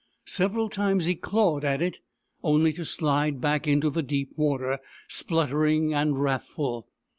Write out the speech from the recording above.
Several times he clawed at it, only to slide back into the deep water, spluttering and wrathful.